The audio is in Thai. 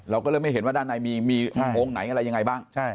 เราก็เลยไม่เห็นว่าด้านในมีองค์ไหนอะไรยังไงบ้าง